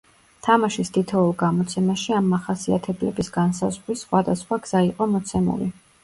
თამაშის თითოეულ გამოცემაში ამ მახასიათებლების განსაზღვრის სხვადასხვა გზა იყო მოცემული.